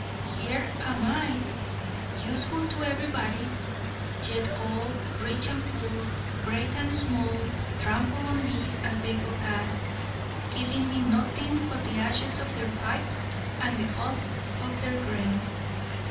Here am I, useful to everybody, yet all, rich and poor, great and small, trample on me as they go past, giving me nothing but the ashes of their pipes and the husks of their grain!"